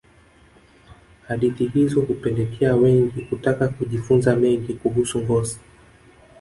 hadithi hizo hupelekea wengi kutaka kujifunza mengi kuhusu ngosi